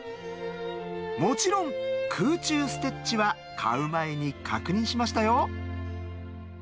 もちろん空中ステッチは買う前に確認しましたよ。